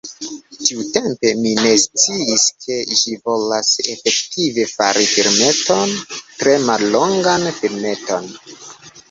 Tiutempe, mi ne sciis ke ĝi volas efektive, fari filmeton, tre mallongan filmeton.